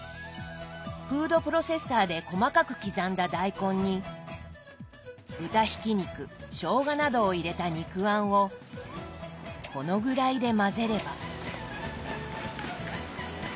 フードプロセッサーで細かく刻んだ大根に豚ひき肉しょうがなどを入れた肉餡をこのぐらいで混ぜれば。